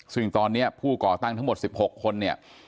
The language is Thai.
ซึ่งตอนนี้ผู้ก่อตั้งทั้งหมด๑๖คนเนี่ย